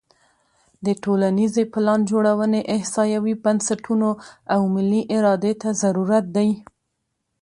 د ټولنیزې پلانجوړونې احصایوي بنسټونو او ملي ارادې ته ضرورت دی.